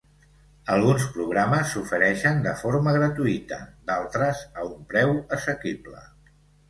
Alguns programes s'ofereixen de forma gratuïta, d'altres, a un preu assequible.